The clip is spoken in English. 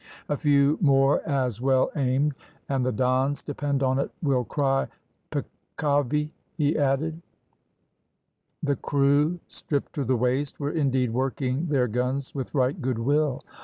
"A few more as well aimed, and the Dons, depend on it, will cry, `peccavi,'" he added. The crew, stripped to the waist, were indeed working their guns with right good will.